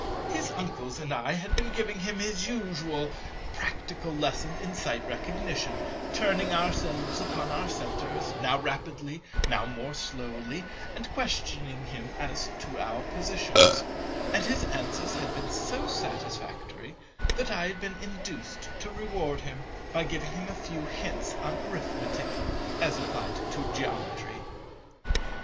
His uncles and I had been giving him his usual practical lesson in Sight Recognition, turning ourselves upon our centres, now rapidly, now more slowly, and questioning him as to our positions; and his answers had been so satisfactory that I had been induced to reward him by giving him a few hints on Arithmetic, as applied to Geometry.